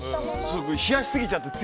冷やしすぎちゃって。